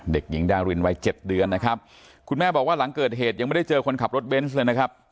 เด็กหญิงดารินวัยเจ็ดเดือนนะครับคุณแม่บอกว่าหลังเกิดเหตุยังไม่ได้เจอคนขับรถเบนส์เลยนะครับ